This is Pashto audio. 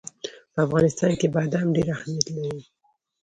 په افغانستان کې بادام ډېر اهمیت لري.